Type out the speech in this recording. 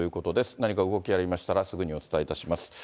何か動きありましたらすぐにお伝えいたします。